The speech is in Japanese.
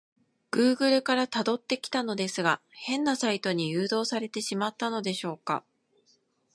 グーグルから辿ってきたのですが、変なサイトに誘導されてしまったのでしょうか？